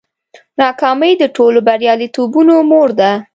ناکامي د ټولو بریالیتوبونو مور ده.